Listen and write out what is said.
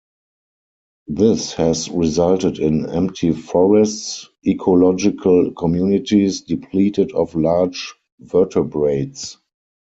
This has resulted in empty forests, ecological communities depleted of large vertebrates.